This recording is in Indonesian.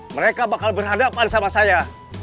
mereka bakal berhadapan sama saya